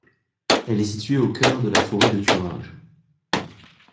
Elle est située au cœur de la forêt de Thuringe.